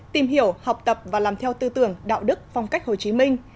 tìm hiểu học tập và làm theo tư tưởng đạo đức phong cách hồ chí minh